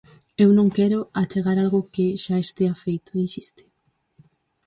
"Eu non quero achegar algo que xa estea feito", insiste.